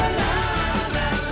iya gue yang jahat